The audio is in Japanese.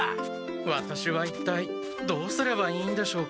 ワタシは一体どうすればいいんでしょうか？